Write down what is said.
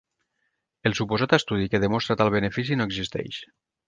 El suposat estudi que demostra tal benefici no existeix.